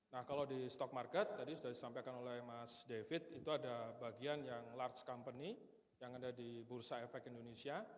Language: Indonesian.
nah kalau di stock market tadi sudah disampaikan oleh mas david itu ada bagian yang large company yang ada di bursa efek indonesia